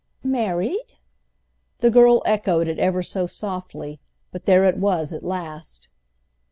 "Married?" The girl echoed it ever so softly, but there it was at last.